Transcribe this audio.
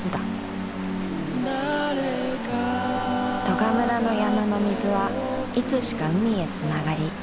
利賀村の山の水はいつしか海へ繋がり